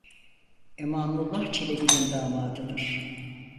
Emanullah Çelebi'nin damadıdır.